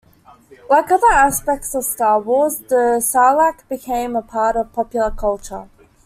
Like other aspects of "Star Wars", the sarlacc became a part of popular culture.